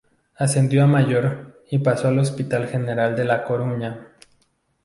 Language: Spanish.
Ascendió a mayor y pasó al Hospital Militar de la Coruña.